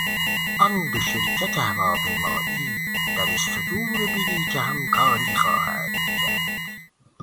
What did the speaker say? آن دو شرکت هواپیمایی در صدور بلیت همکاری خواهند کرد.